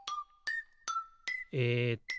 えっと